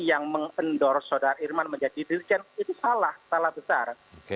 yang mengendorse saudara irman menjadi dirjen itu salah salah besar